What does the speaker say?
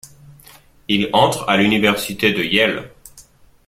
Il entre à l'université de Yale.